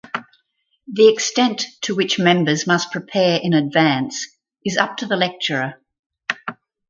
The extent to which members must prepare in advance is up to the lecturer.